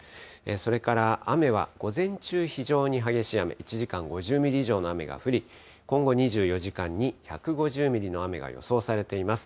それから雨は午前中、非常に激しい雨、１時間５０ミリ以上の雨が降り、今後２４時間に１５０ミリの雨が予想されています。